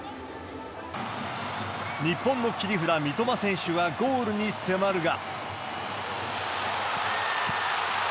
日本の切り札、三笘選手がゴールに迫るが。